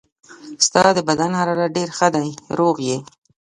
ستا د بدن حرارت ډېر ښه دی، روغ یې.